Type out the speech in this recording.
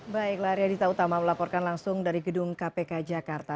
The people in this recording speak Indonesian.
baiklah arya dita utama melaporkan langsung dari gedung kpk jakarta